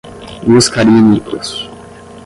muscarínicos